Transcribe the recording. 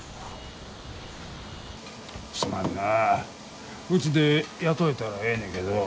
すまんなうちで雇えたらええねけど。